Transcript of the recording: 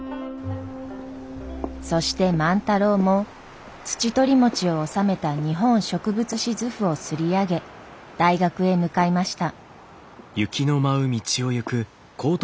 そして万太郎もツチトリモチを収めた「日本植物志図譜」を刷り上げ大学へ向かいました。